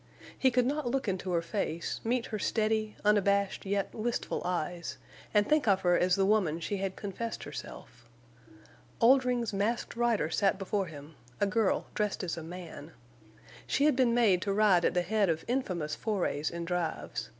He could not look into her face, meet her steady, unabashed, yet wistful eyes, and think of her as the woman she had confessed herself. Oldring's Masked Rider sat before him, a girl dressed as a man. She had been made to ride at the head of infamous forays and drives.